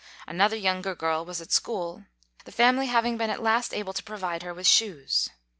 Another younger girl was at school, the family having been at last able to provide her with shoes.